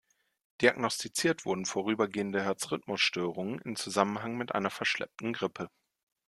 Diagnostiziert wurden vorübergehende Herzrhythmusstörungen in Zusammenhang mit einer verschleppten Grippe.